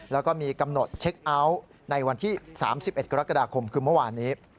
แล้วก็มีกำหนดเช็คเอาท์ในวันที่๓๑กรกฎาคมคือเมื่อวานนี้